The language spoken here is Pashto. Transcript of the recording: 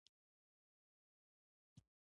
ټرمینل ته چې ننوتم.